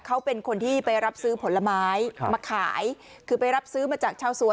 เขาเป็นคนที่ไปรับซื้อผลไม้มาขายคือไปรับซื้อมาจากชาวสวน